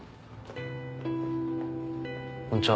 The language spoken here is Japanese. こんちは。